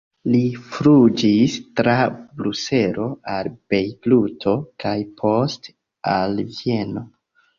Li flugis tra Bruselo al Bejruto kaj poste al Vieno.